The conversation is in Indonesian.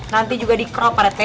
nanti bisa sih pak rt